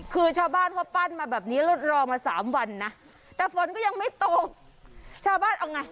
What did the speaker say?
คือชาวบ้านเขาปั้นมาแบบนี้รถรอมาสามวันนะแต่ฝนก็ยังไม่ตกชาวบ้านเอาไง